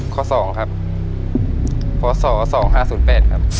ข้อ๒ครับพศ๒๕๐๘ครับ